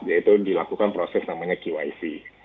yaitu dilakukan proses namanya qic